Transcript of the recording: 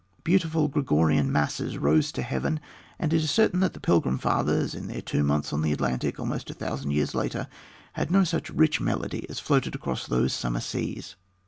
Beautiful Gregorian masses rose to heaven, and it is certain that the Pilgrim fathers, in their two months on the Atlantic, almost a thousand years later, had no such rich melody as floated across those summer seas.